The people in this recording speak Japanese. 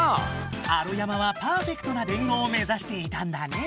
アロヤマはパーフェクトな伝言を目ざしていたんだね。